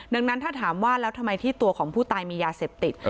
ดังนั้นถ้าถามว่าแล้วทำไมที่ตัวของผู้ตายมียาเสพติด